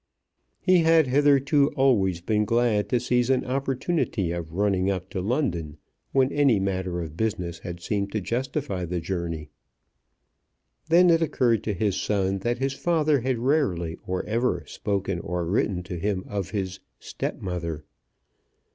He had hitherto always been glad to seize an opportunity of running up to London when any matter of business had seemed to justify the journey. Then it occurred to his son that his father had rarely or ever spoken or written to him of his "stepmother."